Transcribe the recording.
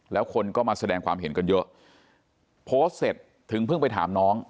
แล้วคนก็มาแสดงความเห็นกันเยอะโพสต์เสร็จถึงเพิ่งไปถามน้อง